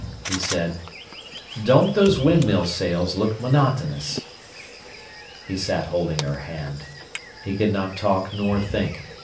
he said. "Don't those windmill sails look monotonous?" He sat holding her hand. He could not talk nor think.